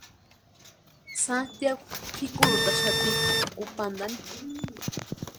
Santiagu pʼikurhutaxati kupantani.